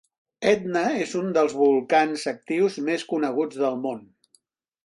Etna és un dels volcans actius més coneguts del món.